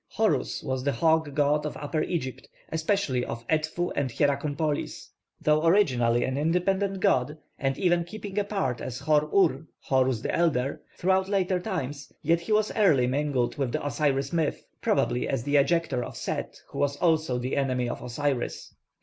+Horus+ was the hawk god of Upper Egypt, especially of Edfu and Hierakonpolis. Though originally an independent god, and even keeping apart as Hor ur, 'Horus the elder,' throughout later times, yet he was early mingled with the Osiris myth, probably as the ejector of Set who was also the enemy of Osiris.